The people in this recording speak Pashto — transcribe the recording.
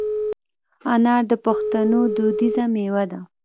انار د پښتنو دودیزه مېوه ده.